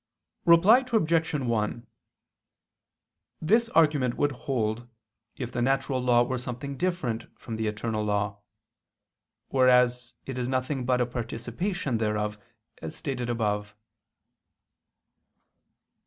Reply Obj. 1: This argument would hold, if the natural law were something different from the eternal law: whereas it is nothing but a participation thereof, as stated above.